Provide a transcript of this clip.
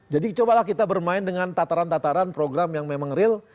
jadi cobalah kita bermain dengan tataran tataran program yang memang real